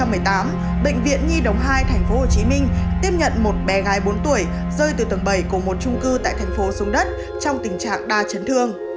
năm hai nghìn một mươi tám bệnh viện nhi đồng hai tp hcm tiếp nhận một bé gái bốn tuổi rơi từ tầng bảy của một chung cư tại thành phố xuống đất trong tình trạng đa chấn thương